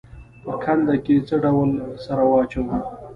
په کنده کې څه ډول سره واچوم؟